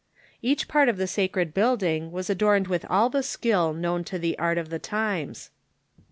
Each part of the sacred building was adorned with all the skill known to the art of the times.